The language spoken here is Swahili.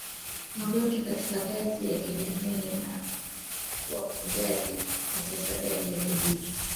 magonjwa katika ngazi ya kijamii na wafugaji katika ngazi ya kijiji